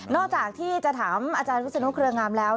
นอกจากที่จะถามอาจารย์พุทธธินตร์เครืองามแล้ว